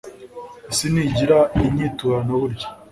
isi ntigira inyiturano burya